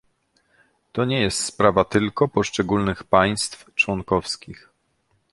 To nie jest sprawa tylko poszczególnych państw członkowskich